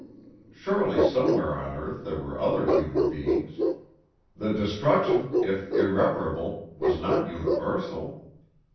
Surely somewhere on earth there were other human beings; the destruction, if irreparable, was not universal.